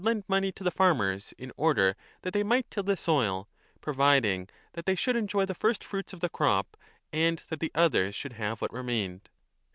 2 I349 8 money to the farmers in order that they might till the soil, providing that they should enjoy the first fruits of the crop and that the others should have what remained.